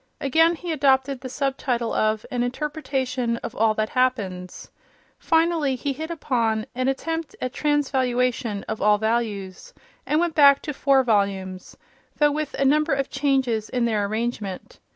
Again he adopted the sub title of "An Interpretation of All That Happens." Finally, he hit upon "An Attempt at a Transvaluation of All Values," and went back to four volumes, though with a number of changes in their arrangement.